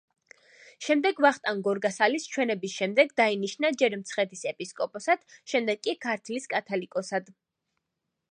შემდეგ ვახტანგ გორგასალის ჩვენების შემდეგ დაინიშნა ჯერ მცხეთის ეპისკოპოსად შემდეგ კი ქართლის კათალიკოსად.